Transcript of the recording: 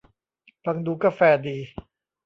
ฟังดูก็แฟร์ดี